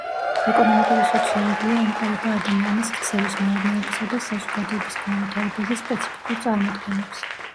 ეკონომიკური სოციოლოგია ემყარება ადამიანის ქცევის, მეურნეობისა და საზოგადოების განვითარებაზე სპეციფიკურ წარმოდგენებს.